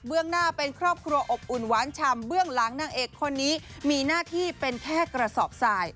หน้าเป็นครอบครัวอบอุ่นหวานชำเบื้องหลังนางเอกคนนี้มีหน้าที่เป็นแค่กระสอบสาย